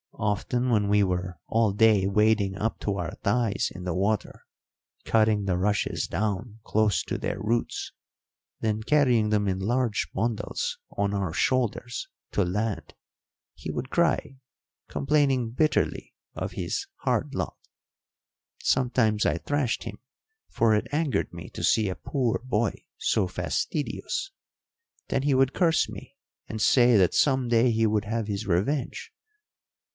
Often when we were all day wading up to our thighs in the water, cutting the rushes down close to their roots, then carrying them in large bundles on our shoulders to land, he would cry, complaining bitterly of his hard lot. Sometimes I thrashed him, for it angered me to see a poor boy so fastidious: then he would curse me and say that some day he would have his revenge.